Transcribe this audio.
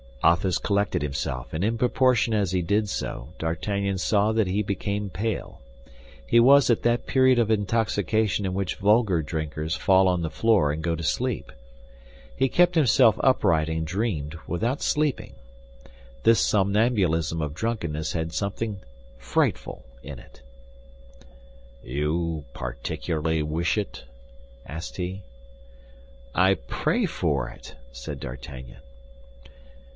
Athos collected himself, and in proportion as he did so, D'Artagnan saw that he became pale. He was at that period of intoxication in which vulgar drinkers fall on the floor and go to sleep. He kept himself upright and dreamed, without sleeping. This somnambulism of drunkenness had something frightful in it. "You particularly wish it?" asked he. "I pray for it," said D'Artagnan.